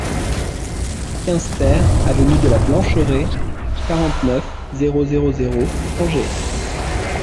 quinze TER aVENUE DE LA BLANCHERAIE, quarante-neuf, zéro zéro zéro, Angers